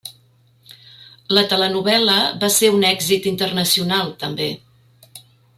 La telenovel·la va ser un èxit internacional, també.